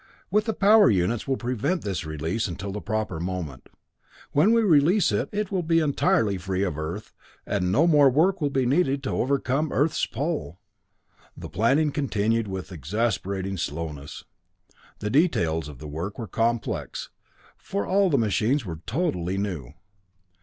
With the power units we'll prevent its release until the proper moment. When we release it, it will be entirely free of Earth, and no more work will be needed to overcome Earth's pull." The planning continued with exasperating slowness. The details of the work were complex, for all the machines were totally new.